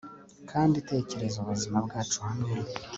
kandi tekereza ubuzima bwacu hamwe